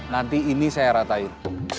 nanti ini saya ratain